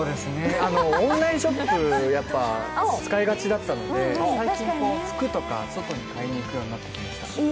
オンラインショップ、使いがちだったので最近、服とか外に買いに行くようになってきました。